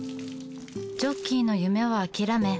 ジョッキーの夢は諦め